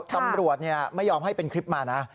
ตำรวจไม่ยอมให้เป็นคลิปมานะ